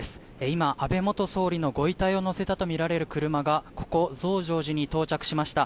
今、安倍元総理のご遺体を乗せたとみられる車がここ、増上寺に到着しました。